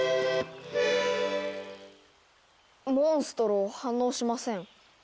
モンストロ反応しません。